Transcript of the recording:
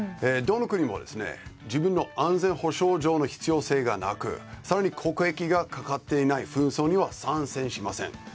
どの国も自分の安全保障上の必要がなく更に国益がかかっていない紛争には参戦しません。